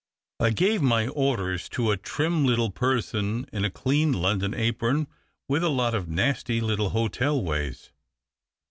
I gave my orders to a trim little person in a clean London apron, with a lot of nasty little hotel ways.